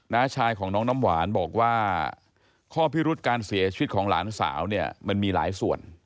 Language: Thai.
้าชายของน้องน้ำหวานบอกว่าข้อพิรุษการเสียชีวิตของหลานสาวเนี่ยมันมีหลายส่วน